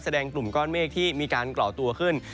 กลุ่มก้อนเมฆที่มีการก่อตัวขึ้น